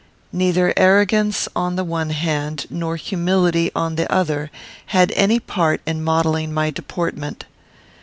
Neither arrogance, on the one hand, nor humility, upon the other, had any part in modelling my deportment.